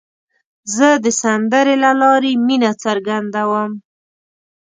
زه د سندرې له لارې مینه څرګندوم.